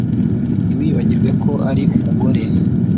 Ntiwibagirwe ko ari umugore